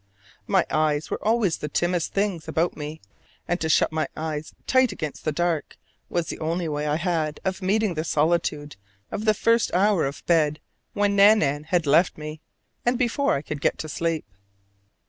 My eyes were always the timidest things about me: and to shut my eyes tight against the dark was the only way I had of meeting the solitude of the first hour of bed when Nan nan had left me, and before I could get to sleep.